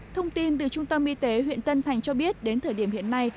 thông tin từ trung tâm y tế huyện tân thành cho biết đến thời điểm hiện nay